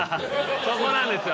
そこなんですよ。